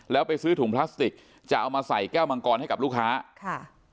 แล้วไปซื้อถุงพลาสติกจะเอามาใส่แก้วมังกรให้กับลูกค้าค่ะ